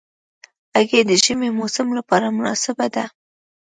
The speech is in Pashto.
هګۍ د ژمي موسم لپاره مناسبه ده.